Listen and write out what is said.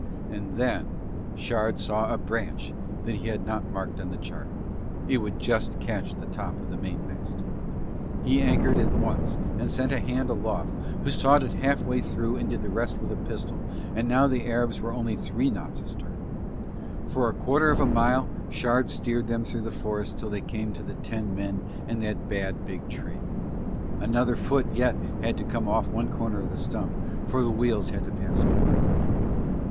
And then Shard saw a branch that he had not marked on the chart, it would just catch the top of the mainmast. He anchored at once and sent a hand aloft who sawed it half way through and did the rest with a pistol, and now the Arabs were only three knots astern. For a quarter of a mile Shard steered them through the forest till they came to the ten men and that bad big tree, another foot had yet to come off one corner of the stump for the wheels had to pass over it.